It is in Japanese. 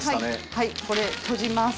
はいこれ閉じます。